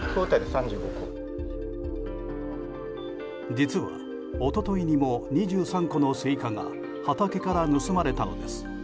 実は、一昨日にも２３個のスイカが畑から盗まれたのです。